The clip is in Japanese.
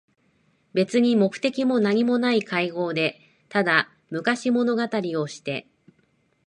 べつに目的もなにもない会合で、ただ昔物語りをして、